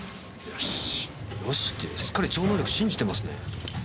「よし」ってすっかり超能力信じてますね。